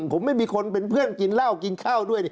ผมไม่มีคนเป็นเพื่อนกินเหล้ากินข้าวด้วย